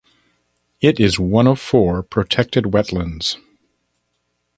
It is one of four protected wetlands.